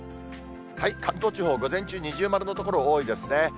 関東地方、午前中、二重丸の所が多いですね。